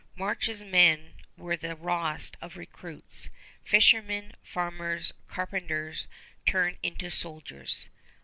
March's men were the rawest of recruits, fishermen, farmers, carpenters, turned into soldiers.